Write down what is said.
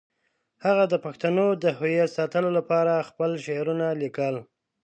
هغه د پښتنو د هویت ساتلو لپاره خپل شعرونه لیکل.